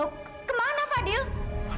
loh kemana fadil